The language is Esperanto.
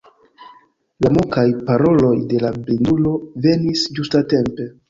La mokaj paroloj de la blindulo venis ĝustatempe.